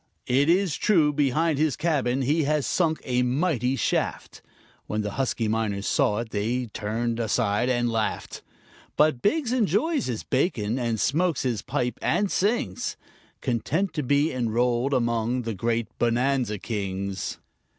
It is true, behind his cabin he has sunk a mighty shaft (When the husky miners saw it they turned aside and laughed); But Biggs enjoys his bacon, and smokes his pipe and sings, Content to be enrolled among the great Bonanza Kings.